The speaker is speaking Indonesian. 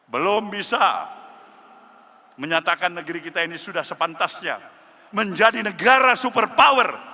belum bisa menyatakan negeri kita ini sudah sepantasnya menjadi negara super power